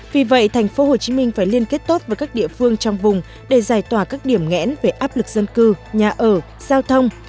vì vậy tp hcm phải liên kết tốt với các địa phương trong vùng để giải tỏa các điểm nghẽn về áp lực dân cư nhà ở giao thông